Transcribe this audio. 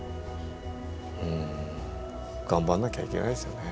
うん頑張んなきゃいけないですよね。